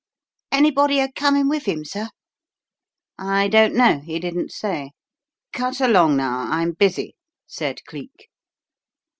"Anybody a comin' with him, sir?" "I don't know he didn't say. Cut along, now; I'm busy!" said Cleek.